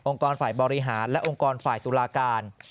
กรฝ่ายบริหารและองค์กรฝ่ายตุลาการ